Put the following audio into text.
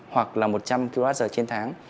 hoặc là một trăm linh kwh trên tháng